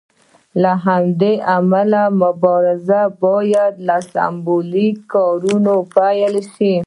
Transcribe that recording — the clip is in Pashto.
له همدې امله مبارزه باید له سمبولیکو کارونو پیل شي.